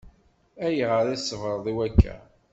Ayɣer i tṣebreḍ i wakka?